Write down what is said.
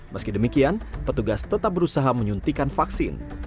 meski demikian petugas tetap berusaha menyuntikan vaksin